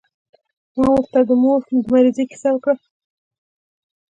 ما ورته د مور د مريضۍ کيسه وکړه.